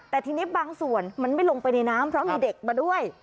แต่ทีนี้บางส่วนมันไม่ลงไปในน้ำเพราะมีเด็กมาด้วย